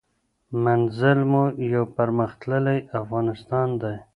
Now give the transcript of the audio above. منزل مو یو پرمختللی افغانستان دی.